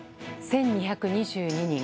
１２２２人。